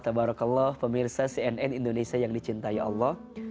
tabarakallah pemirsa cnn indonesia yang dicintai allah